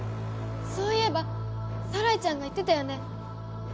そういえばサライちゃんが言ってたよね。